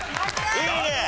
いいね。